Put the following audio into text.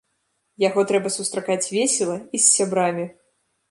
Яго трэба сустракаць весела і з сябрамі!